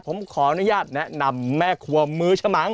ผมขออนุญาตแนะนำแม่ครัวมือฉมัง